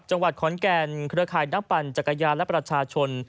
จังหวัดขอนแก่นเครือข่ายนักปั่นจักรยานและประชาชน